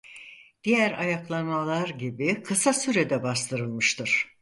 Diğer ayaklanmalar gibi kısa sürede bastırılmıştır.